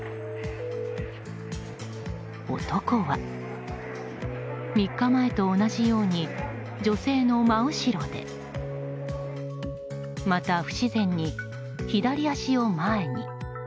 男は３日前と同じように女性の真後ろでまた不自然に左足を前に。